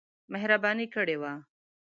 مهرباني کړې وه.